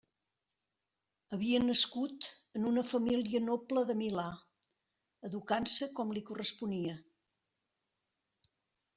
Havia nascut en una família noble de Milà, educant-se com li corresponia.